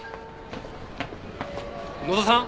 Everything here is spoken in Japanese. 野田さん？